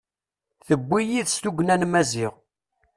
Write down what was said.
Tewwi yid-s tugna n Maziɣ.